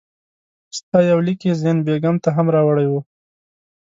ستا یو لیک یې زین بېګم ته هم راوړی وو.